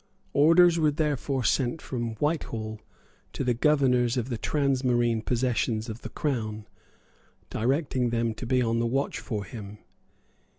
Orders were therefore sent from Whitehall to the governors of the transmarine possessions of the Crown, directing them to be on the watch for him.